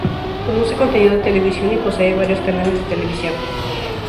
Produce contenido de televisión, y posee varios canales de televisión.